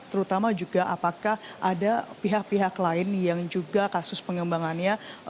terutama juga apakah ada pihak pihak lain yang juga kasus pengembangannya